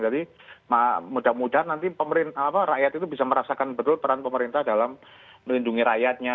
jadi mudah mudahan nanti rakyat itu bisa merasakan betul peran pemerintah dalam melindungi rakyatnya